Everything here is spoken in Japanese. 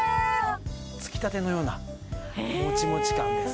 つきたてのようなモチモチ感です。